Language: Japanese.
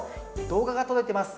動画が届いてます。